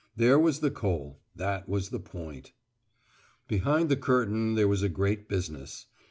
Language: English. There was the coal; that was the point. Behind the curtain there was a great business.